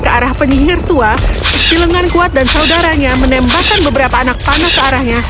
ke arah penyihir tua silengan kuat dan saudaranya menembakkan beberapa anak panah ke arahnya